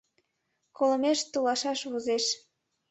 — Колымеш толашаш возеш.